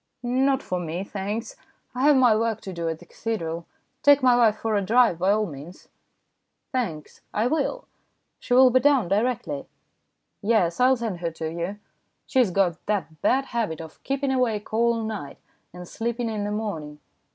" Not for me, thanks. I have my work to do at the cathedral. Take my wife for a drive, by all means." " Thanks, I will. She will be down directly ?" "Yes; I'll send her to you. She has got the bad habit of keeping awake all night, and sleeping in the morning.